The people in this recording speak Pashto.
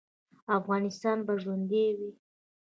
افغانستان به ژوندی وي؟